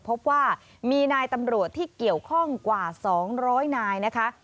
พบว่ามีนายตำรวจที่เกี่ยวข้องกว่า๒๐๐นายนะคะ